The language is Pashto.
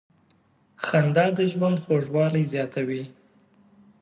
• خندا د ژوند خوږوالی زیاتوي.